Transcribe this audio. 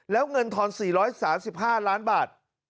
แล้วเงินทอน๔๓๕ล้านบาท